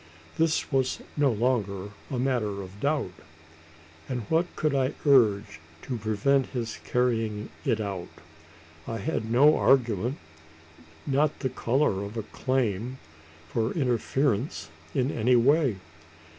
This was no longer a matter of doubt; and what could I urge to prevent his carrying it out? I had no argument not the colour of a claim for interference in any way!